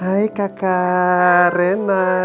hai kakak rena